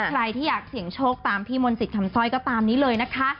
ใครที่อยากเสี่ยงโชคตามพี่มนต์สิทธิ์คำสร้อยก็ตามนี้เลยนะคะ